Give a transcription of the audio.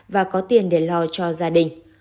và có tiền để lo cho gia đình